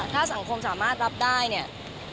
ถ้าสังคมสามารถรับได้เนี่ย